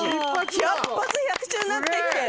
百発百中になってきてる。